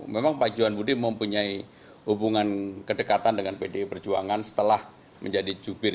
memang pak johan budi mempunyai hubungan kedekatan dengan pdi perjuangan setelah menjadi jubir